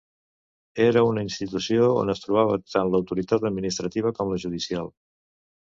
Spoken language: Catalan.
Era una institució on es trobava tant l'autoritat administrativa com la judicial.